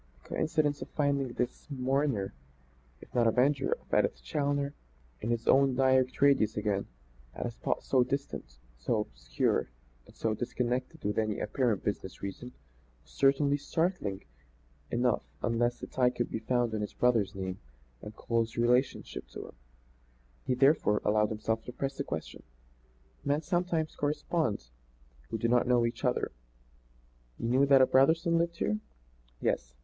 The coincidence of finding this mourner if not avenger of Edith Challoner, in his own direct radius again, at a spot so distant, so obscure and so disconnected with any apparent business reason, was certainly startling enough unless the tie could be found in his brother's name and close relationship to himself. He, therefore, allowed himself to press the question: "Men sometimes correspond who do not know each other. You knew that a Brotherson lived here?" "Yes."